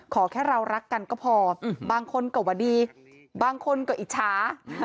แค่เรารักกันก็พอบางคนก็ว่าดีบางคนก็อิจฉา